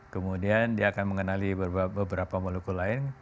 kemudian dia akan mengenali beberapa maluku lain